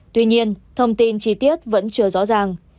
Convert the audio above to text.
tuy nhiên thông tin chi tiết vẫn chưa rõ ràng